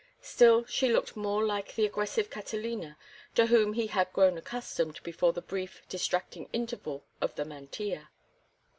Still she looked more like the aggressive Catalina to whom he had grown accustomed before the brief, distracting interval of the mantilla.